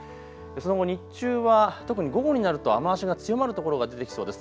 その後、日中は特に午後になると雨足が強まる所が出てきそうです。